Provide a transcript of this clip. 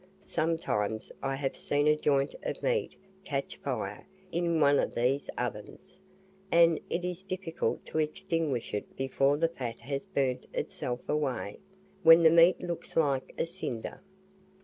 Sometimes I have seen a joint of meat catch fire in one of these ovens, and it is difficult to extinguish it before the fat has burnt itself away, when the meat looks like a cinder.